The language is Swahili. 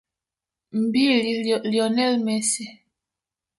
MbiliLionel Messi